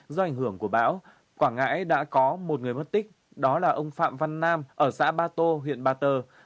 do ảnh hưởng của bão quảng ngãi đã có một người mất tích đó là ông phạm văn nam ở xã ba tô huyện ba tơ